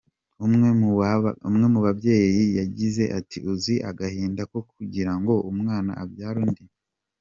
Umwe mu b’ababyeyi yagize ati “Uzi agahinda ko kugirango umwana abyara undi.